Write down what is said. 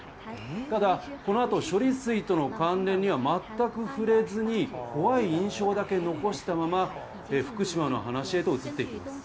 ただ、このあと処理水との関連には全く触れずに、怖い印象だけ残したまま、福島の話へと移っていきます。